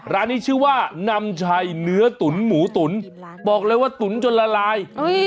ร้านนี้ชื่อว่านำชัยเนื้อตุ๋นหมูตุ๋นบอกเลยว่าตุ๋นจนละลาย